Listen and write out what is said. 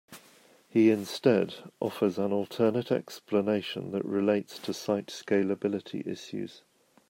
He instead offers an alternate explanation that relates to site scalability issues.